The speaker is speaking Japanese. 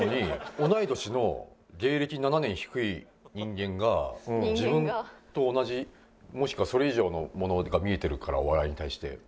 同い年の芸歴７年低い人間が自分と同じもしくはそれ以上のものが見えてるからお笑いに対して。